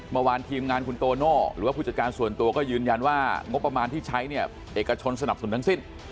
เมื่อวานทีมงานคุณโตโน่หรือว่าผู้จัดการส่วนตัวก็ยืนยันว่างบประมาณที่ใช้เนี่ยเอกชนสนับสนุนทั้งสิ้น